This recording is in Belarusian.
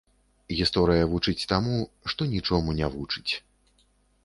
Гісторыя вучыць таму, што нічому не вучыць.